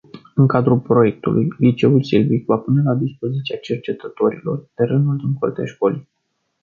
În cadrul proiectului, liceul Silvic va pune la dispoziția cercetătorilor terenul din curtea școlii.